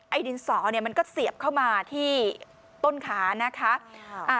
ดินสอเนี่ยมันก็เสียบเข้ามาที่ต้นขานะคะ